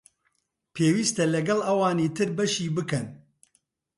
پێوستە لەگەڵ ئەوانی تر بەشی بکەن